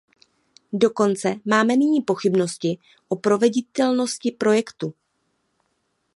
Dokonce máme nyní pochybnosti o proveditelnosti projektu.